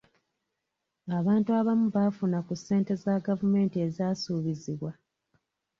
Abantu abamu baafuna ku ssente za gavumenti ezaasuubizibwa.